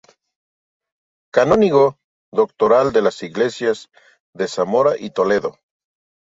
Canónigo doctoral de las iglesias de Zamora y Toledo.